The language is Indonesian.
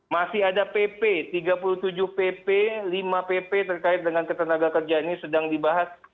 masih ada pp tiga puluh tujuh pp lima pp terkait dengan ketenaga kerjaan ini sedang dibahas